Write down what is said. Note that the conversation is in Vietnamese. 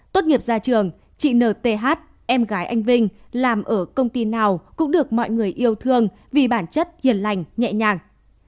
tốt nghiệp ra trường chị nth em gái anh vinh làm ở công ty nào cũng được mọi người yêu thương vì bản chất hiền lành nhẹ nhàng